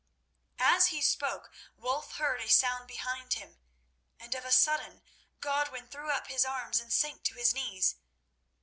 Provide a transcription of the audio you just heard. As he spoke Wulf heard a sound behind him, and of a sudden Godwin threw up his arms and sank to his knees.